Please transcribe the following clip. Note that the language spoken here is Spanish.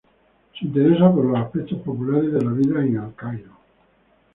Se interesa por los aspectos populares de la vida en El Cairo.